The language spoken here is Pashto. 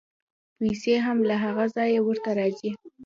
پیسې هم له هغه ځایه ورته راځي.